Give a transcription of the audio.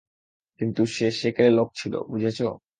কিন্তু সে সেকেলে লোক ছিল, বুঝেছো?